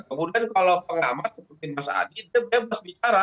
kemudian kalau pengamat seperti mas adi dia bebas bicara